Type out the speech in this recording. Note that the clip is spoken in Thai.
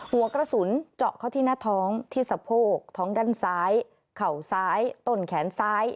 หัวกระสุนเจาะเข้าที่หน้าท้องที่สะโพกท้องด้านซ้ายเข่าซ้ายต้นแขนซ้าย